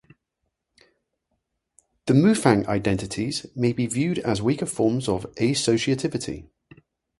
The Moufang identities may be viewed as weaker forms of associativity.